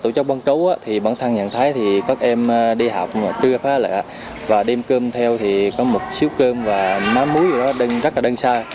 trong những chiến đi cơ sở xuống xã băng chấu thì bản thân nhận thấy các em đi học trưa phá lệ và đem cơm theo thì có một xíu cơm và má muối rất là đơn xa